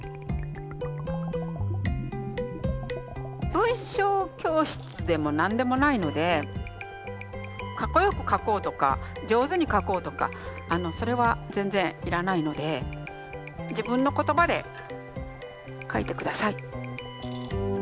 文章教室でも何でもないのでかっこよく書こうとか上手に書こうとかそれは全然要らないので自分の言葉で書いて下さい。